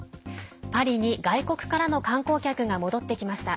パリに外国からの観光客が戻ってきました。